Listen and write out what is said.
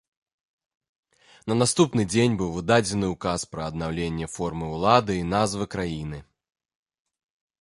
На наступны дзень быў выдадзены ўказ пра аднаўленне формы ўлады і назвы краіны.